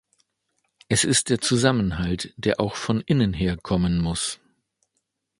Es ist der Zusammenhalt, der auch von innen her kommen muss.